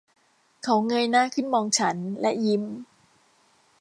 เขาเงยหน้าขึ้นมองฉันและยิ้ม